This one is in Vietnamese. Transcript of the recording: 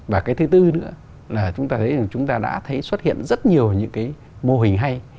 và cái thứ tư nữa là chúng ta đã thấy xuất hiện rất nhiều những mô hình hay